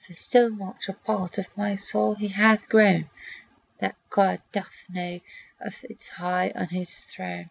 For so much a part of my soul he hath grown That God doth know of it high on his throne.